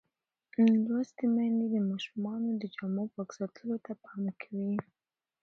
لوستې میندې د ماشومانو د جامو پاک ساتلو ته پام کوي.